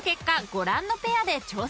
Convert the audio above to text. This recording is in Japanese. ご覧のペアで挑戦］